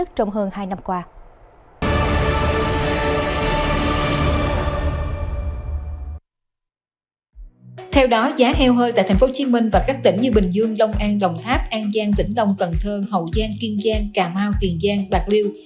theo đó giá heo hơi tại tp hcm và các tỉnh như bình dương long an đồng tháp an giang vĩnh long cần thơ hậu giang kiên giang cà mau tiền giang bạc liêu